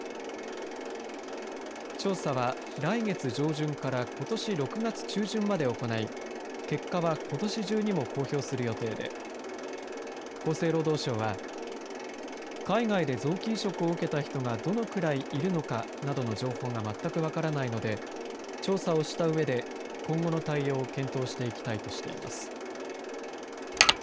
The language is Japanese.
調査は来月上旬からことし６月中旬まで行い結果は、ことし中にも公表する予定で厚生労働省は海外で臓器移植を受けた人がどのくらいいるのかなどの情報が全く分からないので調査をしたうえで今後の対応を検討していきたいとしています。